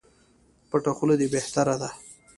پټه خوله دي بهتري ده